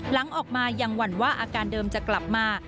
หลังออกมายังหวั่นว่าอาการเดิมจะกลับมา